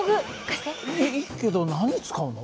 いいいけど何に使うの？